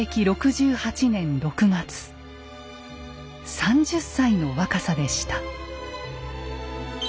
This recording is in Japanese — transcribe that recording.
３０歳の若さでした。